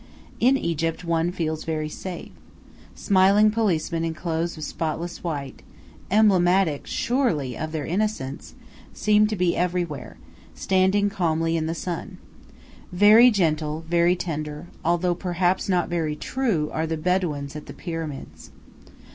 In Egypt one feels very safe. Smiling policemen in clothes of spotless white emblematic, surely, of their innocence! seem to be everywhere, standing calmly in the sun. Very gentle, very tender, although perhaps not very true, are the Bedouins at the Pyramids.